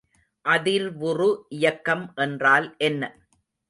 அதிர்வுறு இயக்கம் என்றால் என்ன?